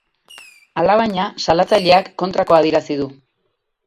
Alabaina, salatzaileak kontrakoa adierazi du.